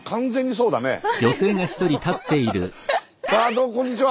どうもこんにちは。